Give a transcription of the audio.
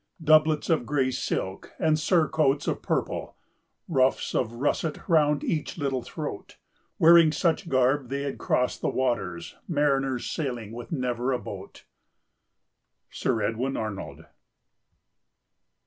"Doublets of grey silk and surcoats of purple, Ruffs of russet round each little throat, Wearing such garb, they had crossed the waters, Mariners sailing with never a boat." —Sir Edwin Arnold.